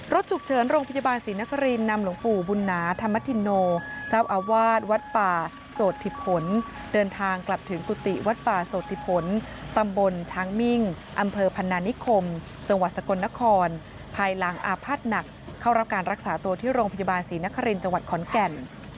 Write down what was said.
รถฉุกเฉินโรงพยาบาลศรีนครินนำหลวงปู่บุญนาธรรมธิโนเจ้าอาวาสวัดป่าโสดธิผลเดินทางกลับถึงกุฏิวัดป่าโสติผลตำบลช้างมิ่งอำเภอพันนานิคมจังหวัดสกลนครภายหลังอาภาษณ์หนักเข้ารับการรักษาตัวที่โรงพยาบาลศรีนครินทร์จังหวัดขอนแก่น